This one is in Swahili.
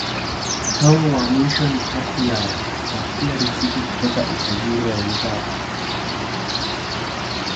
Hao wa mwisho ni haki yao kujipatia riziki kutoka utajiri wa wenzao.